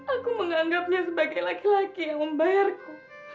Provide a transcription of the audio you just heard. aku menganggapnya sebagai laki laki yang membayarku